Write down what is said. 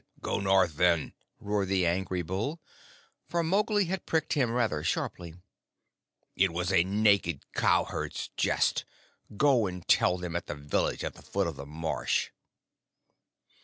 "Go north, then," roared the angry bull, for Mowgli had pricked him rather sharply. "It was a naked cowherd's jest. Go and tell them at the village at the foot of the marsh."